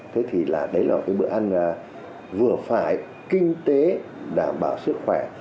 thế thì đấy là một bữa ăn vừa phải kinh tế đảm bảo sức khỏe